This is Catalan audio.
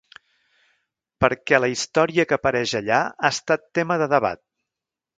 Per què la història que apareix allà ha estat tema de debat.